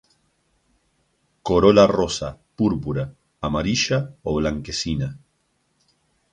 Corola rosa, púrpura, amarilla o blanquecina.